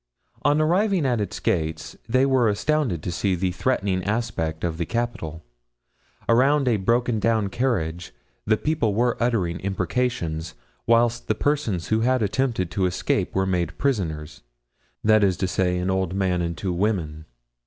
On arriving at its gates they were astounded to see the threatening aspect of the capital. Around a broken down carriage the people were uttering imprecations, whilst the persons who had attempted to escape were made prisoners—that is to say, an old man and two women.